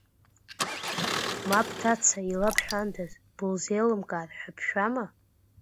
Ма бҭаца илабҳәандаз, былзеилымкаар ҳәа бшәама?